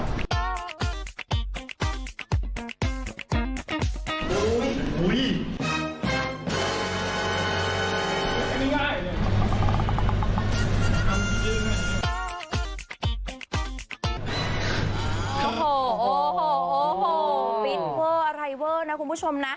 ฟิตเวอร์อะไรเวอร์นะคุณผู้ชมนะ